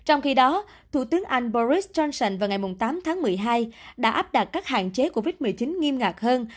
trong khi đó thủ tướng anh boris johnson vào ngày tám tháng một mươi hai đã áp đặt các hạn chế covid một mươi chín nghiêm ngặt hơn